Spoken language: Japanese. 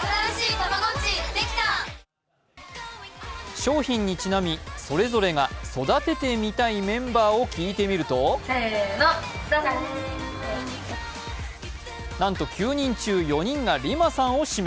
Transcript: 商品にちなみ、それぞれが育ててみたいメンバーを聞いてみるとなんと９人中、４人がＲＩＭＡさんを指名。